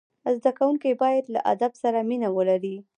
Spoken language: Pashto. زدهکوونکي باید له ادب سره مینه ولري.